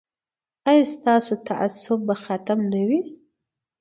ایا ستاسو تعصب به ختم نه وي؟